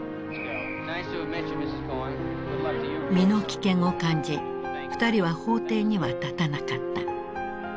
身の危険を感じ二人は法廷には立たなかった。